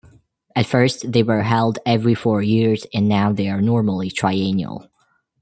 At first, they were held every four years and now they are normally triennial.